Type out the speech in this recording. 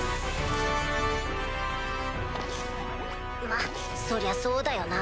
まっそりゃそうだよな。